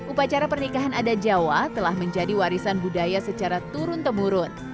upacara pernikahan adat jawa telah menjadi warisan budaya secara turun temurun